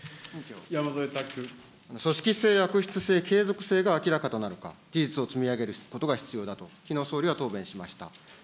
組織性、悪質性、継続性が明らかとなるか、事実を積み上げることが必要だと、きのう、総理は答弁しました。